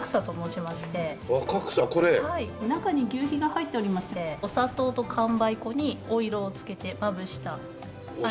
中に求肥が入っておりましてお砂糖と寒梅粉にお色を付けてまぶしたお菓子でございます。